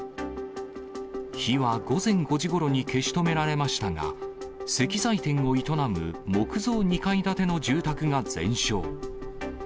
火は午前５時ごろに消し止められましたが、石材店を営む木造２階建ての住宅が全焼。